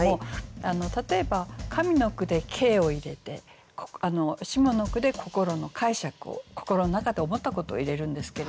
例えば上の句で「景」を入れて下の句で「心」の解釈を心の中で思ったことを入れるんですけれども。